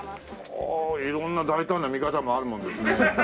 ああ色んな大胆な見方もあるもんですね。